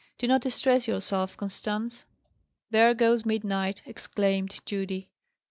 Do not distress yourself, Constance." "There goes midnight!" exclaimed Judy.